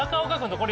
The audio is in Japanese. これ。